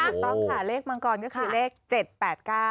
บางกรใช่ไหมคะต้องค่ะเลขมังกรก็คือเลข๗๘๙